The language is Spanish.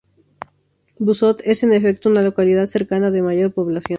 Busot, es, en efecto, una localidad cercana de mayor población.